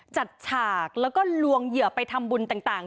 ฉากแล้วก็ลวงเหยื่อไปทำบุญต่าง